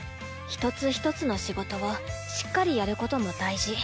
一つ一つの仕事をしっかりやることも大事。